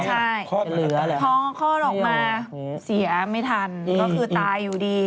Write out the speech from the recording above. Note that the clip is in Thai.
ใช่พอคลอดออกมาเสียไม่ทันก็คือตายอยู่ดี